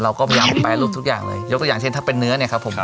เราก็พยายามแปรรูปทุกอย่างเลยยกตัวอย่างเช่นถ้าเป็นเนื้อเนี่ยครับผม